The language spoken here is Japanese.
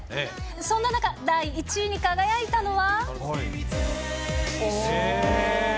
そんな中、第１位に輝いたのは。